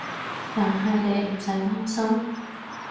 但係你唔使擔心